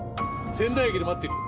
仙台駅で待ってるよ。